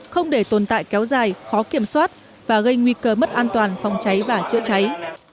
không để tồn tại kéo dài khó kiểm soát và gây nguy cơ mất an toàn phòng cháy và chữa cháy